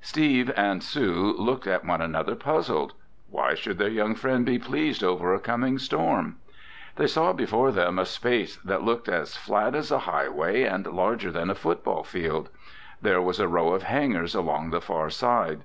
Steve and Sue looked at one another, puzzled. Why should their young friend be pleased over a coming storm? They saw before them a space that looked as flat as a highway and larger than a football field. There was a row of hangars along the far side.